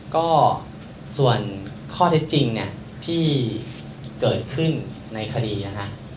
ก็ส่วนข้อเท็จจริงเนี่ยที่เกิดขึ้นในคดีนะคะ